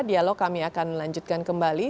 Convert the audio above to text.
dialog kami akan lanjutkan kembali